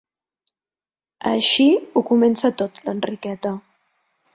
Així ho comença tot l'Enriqueta.